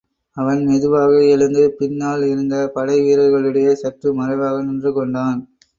அவன் மெதுவாக எழுந்து, பின்னால் இருந்த படை வீரர்களிடையே சற்று மறைவாக நின்று கொண்டான்.